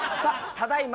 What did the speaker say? ただいま